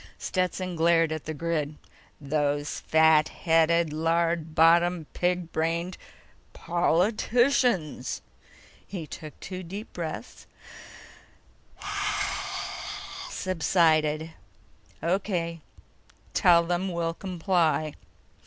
Stetson glared at the grid. "Those fat headed, lard bottomed, pig brained ... POLITICIANS!" He took two deep breaths, subsided. "O.K. Tell them we'll comply."